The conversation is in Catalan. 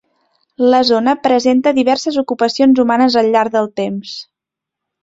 La zona presenta diverses ocupacions humanes al llarg del temps.